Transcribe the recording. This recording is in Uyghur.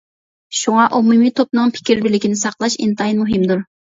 شۇڭا ئومۇمىي توپنىڭ پىكىر بىرلىكىنى ساقلاش ئىنتايىن مۇھىمدۇر.